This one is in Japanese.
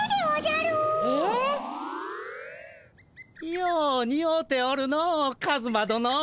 ようにおうておるのカズマどの。